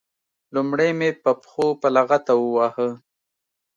لومړی مې په پښو په لغته وواهه.